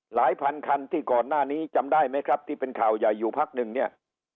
พันคันที่ก่อนหน้านี้จำได้ไหมครับที่เป็นข่าวใหญ่อยู่พักหนึ่งเนี่ย